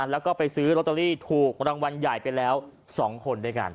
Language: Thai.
แล้วก็ไปซื้อลอตเตอรี่ถูกรางวัลใหญ่ไปแล้ว๒คนด้วยกัน